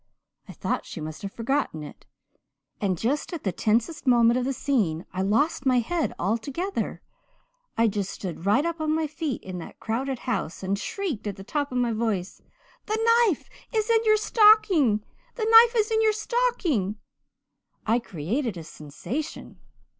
I thought she must have forgotten it, and just at the tensest moment of the scene I lost my head altogether. I just stood right up on my feet in that crowded house and shrieked at the top of my voice 'The knife is in your stocking the knife is in your stocking!' "I created a sensation!